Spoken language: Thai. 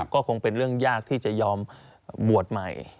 ก็คงเป็นเรื่องยากที่จะยอมบวชใหม่